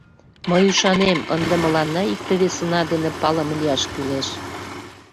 — Мый ӱшанем, ынде мыланна икте-весына дене палыме лияш кӱлеш.